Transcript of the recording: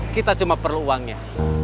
kita cuma perlu uangnya